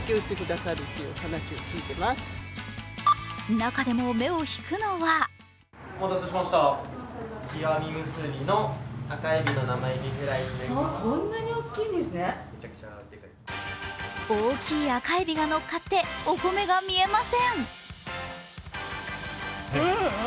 中でも目を引くのは大きい赤えびがのっかってお米が見えません。